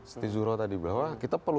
setijuro tadi bahwa kita perlu